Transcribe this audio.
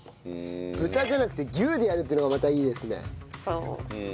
豚じゃなくて牛でやるっていうのがまたいいですね。